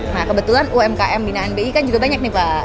nah kebetulan umkm binaan bi kan juga banyak nih pak